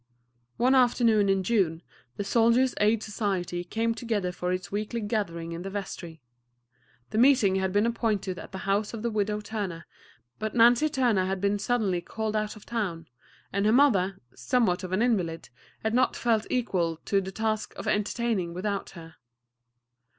One afternoon in June the Soldiers' Aid Society came together for its weekly gathering in the vestry. The meeting had been appointed at the house of the Widow Turner, but Nancy Turner had been suddenly called out of town, and her mother, somewhat of an invalid, had not felt equal to the task of entertaining without her.